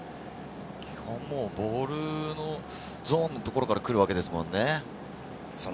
基本、ボールゾーンからくるわけですものね。